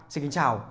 xin kính chào